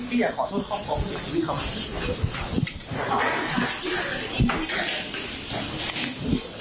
พี่ยังขอโทษของของผู้สมีตเขามี